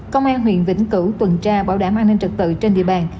công an huyện vĩnh cửu tuần tra bảo đảm an ninh trật tự trên địa bàn